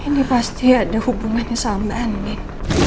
ini pasti ada hubungannya sama andin